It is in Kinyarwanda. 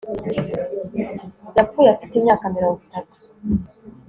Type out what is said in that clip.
Yapfuye afite imyaka mirongo itatu